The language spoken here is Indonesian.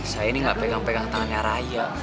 saya ini nggak pegang pegang tangannya raya